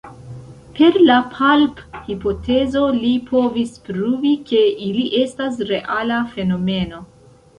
Per la palp-hipotezo li povis pruvi, ke ili estas reala fenomeno.